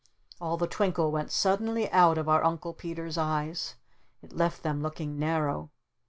All the twinkle went suddenly out of our Uncle Peter's eyes. It left them looking narrow.